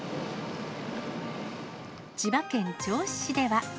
千葉県銚子市では。